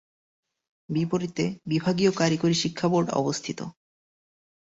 বিপরীতে বিভাগীয় কারিগরি শিক্ষাবোর্ড অবস্থিত।